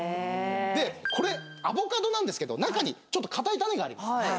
でこれアボカドなんですけど中にちょっと硬い種があります。